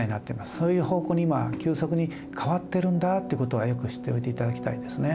そういう方向に今急速に変わってるんだってことはよく知っておいていただきたいですね。